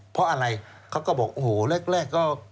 เพราะอะไรเขาก็บอกโอ้โหแรกก็